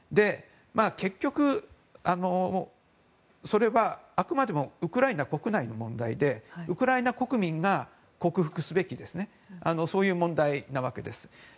結局、それはあくまでもウクライナ国内の問題でウクライナ国民が克服すべき問題なわけです。